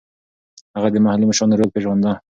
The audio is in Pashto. هغه د محلي مشرانو رول پېژانده.